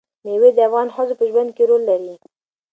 مېوې د افغان ښځو په ژوند کې رول لري.